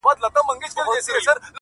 • تا آزاد کړم له وهلو له ښکنځلو -